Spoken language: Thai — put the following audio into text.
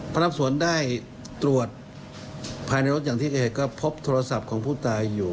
พนักงานสอบสวนได้ตรวจภายในรถอย่างที่เอกก็พบโทรศัพท์ของผู้ตายอยู่